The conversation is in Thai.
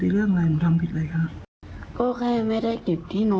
แล้วพ่อเขาเมาไหม